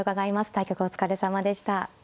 対局お疲れさまでした。